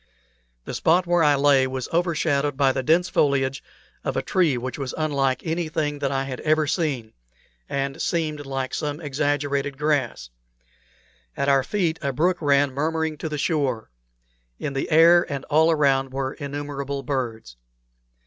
The spot where I lay was over shadowed by the dense foliage of a tree which was unlike anything that I had ever seen, and seemed like some exaggerated grass; at our feet a brook ran murmuring to the shore; in the air and all around were innumerable birds.